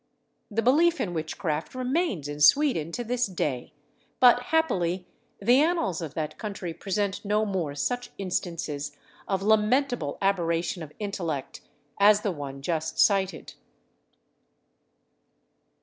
The belief in witchcraft remains in Sweden to this day; but happily the annals of that country present no more such instances of lamentable aberration of intellect as the one just cited.